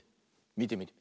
みてみて。